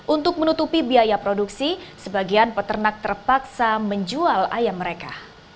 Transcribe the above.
untuk menutupi biaya produksi sebagian peternak terpaksa menjual ayam mereka